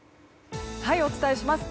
お伝えします。